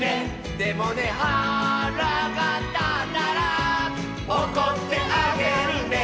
「でもねはらがたったら」「おこってあげるね」